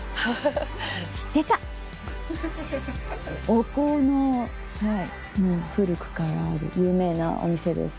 お香の古くからある有名なお店です。